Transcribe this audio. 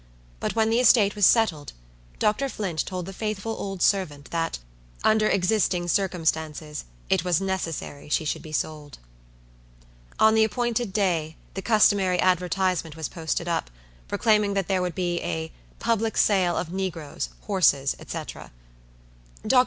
But when the estate was settled, Dr. Flint told the faithful old servant that, under existing circumstances, it was necessary she should be sold. On the appointed day, the customary advertisement was posted up, proclaiming that there would be a "public sale of negroes, horses, &c." Dr.